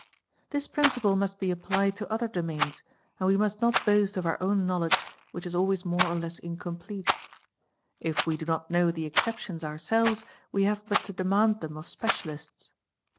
| i This principle must be applied to other domains and we must no boast of our own knowledge which is always more or less incomplete i | we do not know the exceptions ourselves we have but to demand them «| specialists.